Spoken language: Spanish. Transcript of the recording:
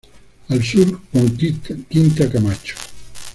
Al sur, con Quinta Camacho.